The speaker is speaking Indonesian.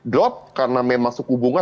drop karena memang suku bunga